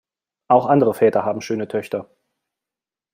Auch andere Väter haben schöne Töchter.